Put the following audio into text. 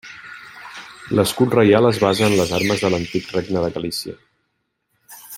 L'escut reial es basa en les armes de l'antic Regne de Galícia.